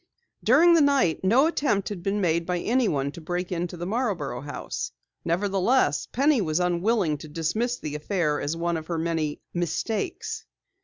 During the night no attempt had been made by anyone to break into the Marborough house. Nevertheless, Penny was unwilling to dismiss the affair as one of her many "mistakes."